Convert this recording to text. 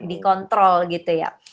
di kontrol gitu ya